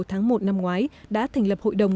tháng một năm ngoái đã thành lập hội đồng